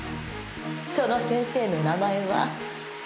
その先生の名前は。